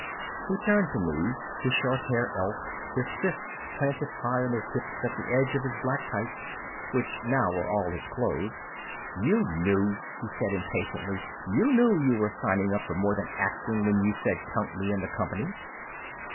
He turned on me, his short hair elfed, his fists planted high on his hips at the edge of his black tights, which now were all his clothes. "You knew!" he said impatiently. "You knew you were signing up for more than acting when you said, 'Count me in the company.'"